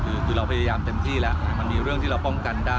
คือเราพยายามเต็มที่แล้วมันมีเรื่องที่เราป้องกันได้